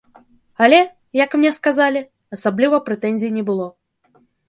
Але, як мне сказалі, асабліва прэтэнзій не было.